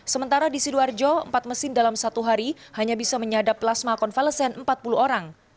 sementara di sidoarjo empat mesin dalam satu hari hanya bisa menyadap plasma konvalesen empat puluh orang